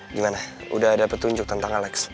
gimana udah ada petunjuk tentang alex